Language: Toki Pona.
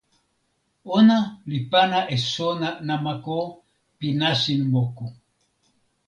ona li pana e sona namako pi nasin moku.